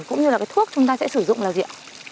cũng như là cái thuốc chúng ta sẽ sử dụng là gì ạ